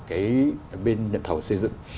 cái bên nhận thầu xây dựng